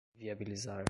viabilizar